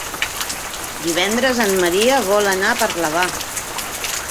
Divendres en Maria vol anar a Parlavà.